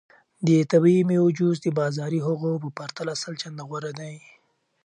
د طبیعي میوو جوس د بازاري هغو په پرتله سل چنده غوره دی.